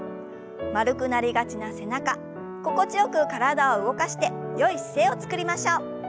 丸くなりがちな背中心地よく体を動かしてよい姿勢をつくりましょう。